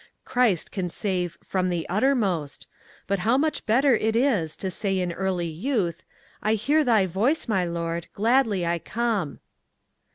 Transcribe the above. Christ can save "from the uttermost," but how much better it is to say in early youth, "I hear thy voice, my Lord. Gladly I come."